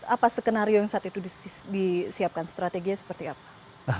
apa skenario yang saat itu disiapkan strateginya seperti apa